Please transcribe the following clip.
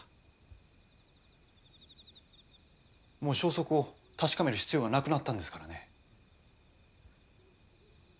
もう消息を確かめる必要がなくなったんですからね。